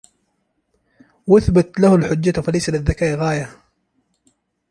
وَأَثْبَتَ لَهُ الْحُجَّةَ فَلَيْسَ لِلذَّكَاءِ غَايَةٌ